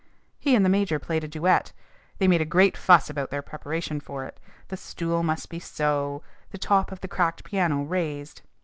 He and the major played a duet. They made a great fuss about their preparation for it. The stool must be so, the top of the cracked piano raised.